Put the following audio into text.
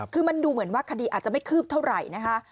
คือมันดูเหมือนว่าคดีอาจจะไม่คืบเท่าไหร่นะคะ